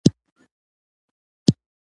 دا قاموس په لېږدیز لمریز کال کې چاپ شوی دی.